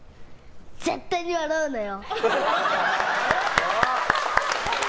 絶対に笑うなよ！